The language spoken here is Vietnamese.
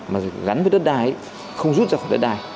mà gắn với đất đai ấy không rút ra khỏi đất đai